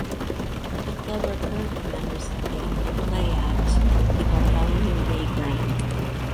The club are currently members of the and play at the Bartholomew Way Ground.